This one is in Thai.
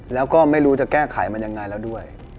แล้วก็ไม่รู้จะแก้ไขมันยังไงแล้วด้วย